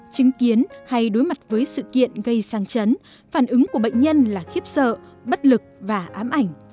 chứng kiến hay đối mặt với sự kiện gây sang chấn phản ứng của bệnh nhân là khiếp sợ bất lực và ám ảnh